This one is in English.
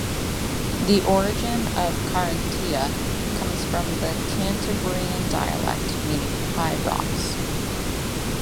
The origin of "Carrantia" comes from the Cantabrian dialect, meaning "high rocks".